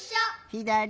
ひだり！